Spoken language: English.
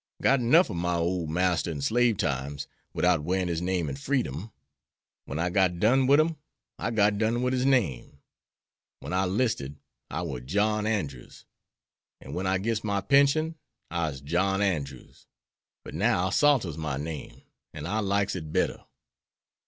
Got 'nuff ob my ole Marster in slave times, widout wearin' his name in freedom. Wen I got done wid him, I got done wid his name. Wen I 'listed, I war John Andrews; and wen I gits my pension, I'se John Andrews; but now Salters is my name, an' I likes it better."